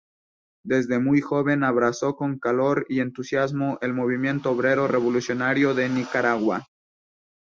Desde muy joven abrazó con calor y entusiasmo el movimiento obrero revolucionario de Nicaragua.